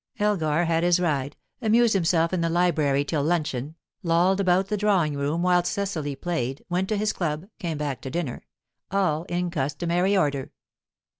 Elgar had his ride, amused himself in the library till luncheon, lolled about the drawing room whilst Cecily played, went to his club, came back to dinner, all in customary order.